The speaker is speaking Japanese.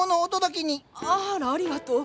あらありがとう。